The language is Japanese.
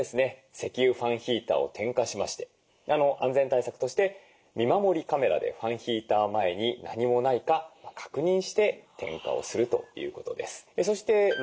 石油ファンヒーターを点火しまして安全対策として見守りカメラでファンヒーター前に何もないか確認して点火をするということです。